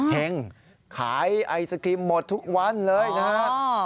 เห็งขายไอศครีมหมดทุกวันเลยนะครับ